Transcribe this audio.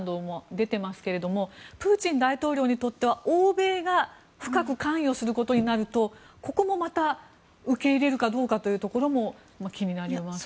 トルコやポーランドも出ていますがプーチン大統領にとっては欧米が深く関与することになるとここもまた受け入れるかどうかというところも気になります。